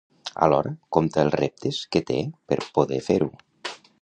Alhora, compta els reptes que té per poder fer-ho.